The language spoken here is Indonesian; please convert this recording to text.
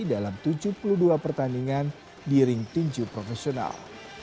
dalam tujuh puluh dua pertandingan di ring tinju profesional